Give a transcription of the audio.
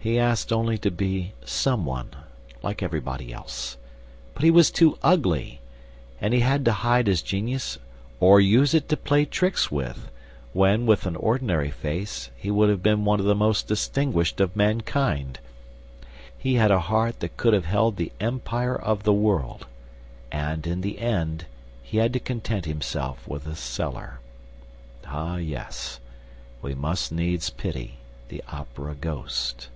He asked only to be "some one," like everybody else. But he was too ugly! And he had to hide his genius OR USE IT TO PLAY TRICKS WITH, when, with an ordinary face, he would have been one of the most distinguished of mankind! He had a heart that could have held the empire of the world; and, in the end, he had to content himself with a cellar. Ah, yes, we must needs pity the Opera ghost.